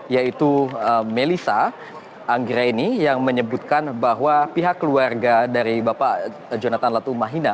yaitu melissa anggreni yang menyebutkan bahwa pihak keluarga dari bapak jonathan latumahina